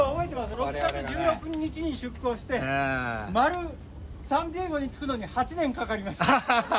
６月１６日に出港して、丸、サンディエゴに着くのに８年かかりました。